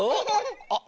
あっ。